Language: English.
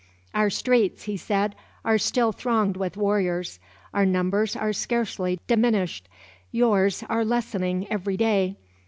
"Our streets," he said, "are still thronged with warriors. Our numbers are scarcely diminished. Yours are lessening every day.